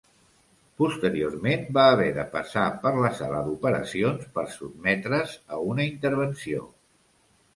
Posteriorment va haver de passar per la sala d'operacions per sotmetre's a una intervenció.